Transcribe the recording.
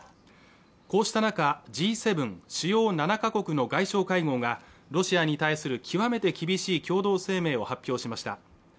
こうした中Ｇ７主要７か国の外相会合がロシアに対する極めて厳しい共同声明を発表しました